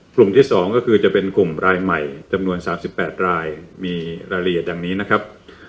กลุ่มที่๒ก็คือจะเป็นกลุ่มรายใหม่จำนวน๓๘รายมีรายละเอียดอย่างนี้นะครับ